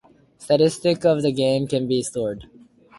Statistics of the game can be stored.